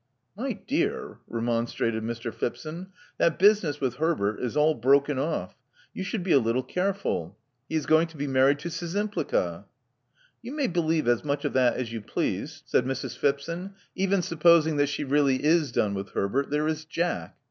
My dear," remonstrated Mr. Phipson: "that business with Herbert is all broken off. You should be a little careful. He is going to be married to Szczympliga. "You may believe as much of that as you please," Love Among the Artists 283 said Mrs. Phipson. Even supposing that she really is done with Herbert, there is Jack.